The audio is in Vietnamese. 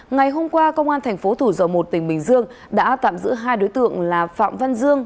ngày hôm qua công an tp thủ dậu một tỉnh bình dương đã tạm giữ hai đối tượng là phạm văn dương